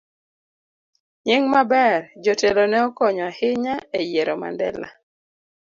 Nying maber. Jotelo ne okonyo ahinya e yiero Mandela